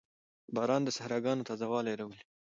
• باران د صحراګانو تازهوالی راولي.